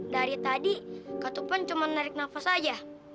dari tadi kak topan cuma narik nafas aja